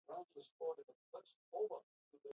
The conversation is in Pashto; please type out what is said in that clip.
هندوانه د زړه ناروغیو مخه نیسي.